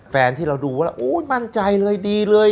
แฟนที่เราดูแล้วมั่นใจเลยดีเลย